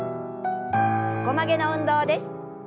横曲げの運動です。